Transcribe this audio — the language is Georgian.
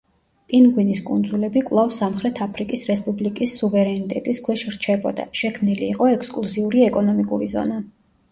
პინგვინის კუნძულები კვლავ სამხრეთ აფრიკის რესპუბლიკის სუვერენიტეტის ქვეშ რჩებოდა, შექმნილი იყო ექსკლუზიური ეკონომიკური ზონა.